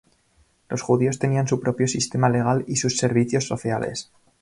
Los judíos tenían su propio sistema legal y sus servicios sociales.